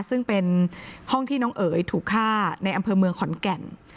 ซึ่งเป็นห้องที่น้องเอ๋ยถูกฆ่าในอำเภอเมืองขอนแก่น